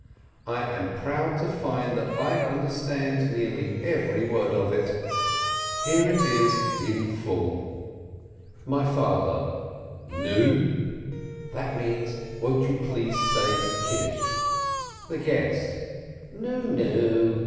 I am proud to find that I understand nearly every word of it. Here it is in full. THE PASSOVER GUEST 155 My father :"Nu?" (That means, "Won't you please say Kiddush?") The guest: "Nu nu!"